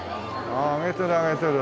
あげてるあげてる。